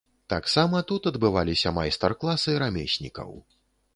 Таксама тут адбываліся майстар-класы рамеснікаў.